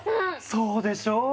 そうでしょう！